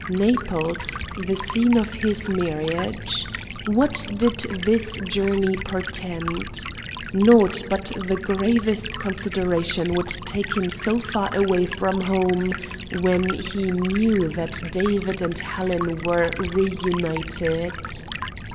Naples, the scene of his marriage! What did this journey portend? Naught but the gravest considerations would take him so far away from home when he knew that David and Helen were reunited.